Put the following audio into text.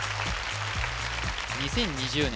２０２０年